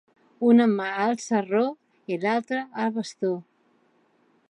Una mà al sarró i l'altra al bastó.